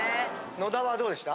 野田はどうでした？